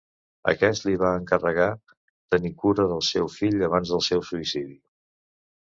Aquest li va encarregar tenir cura del seu fill abans del seu suïcidi.